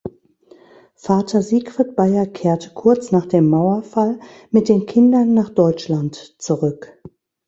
Vater Siegfried Beier kehrte kurz nach dem Mauerfall mit den Kindern nach Deutschland zurück.